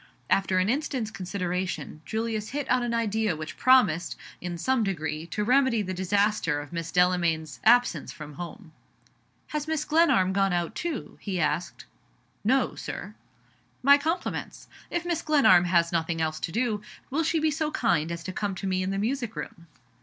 After an instant's consideration, Julius hit on an idea which promised, in some degree, to remedy the disaster of Mrs. Delamayn's absence from home. "Has Mrs. Glenarm gone out, too?" he asked. "No, Sir." "My compliments. If Mrs. Glenarm has nothing else to do, will she be so kind as to come to me in the music room?"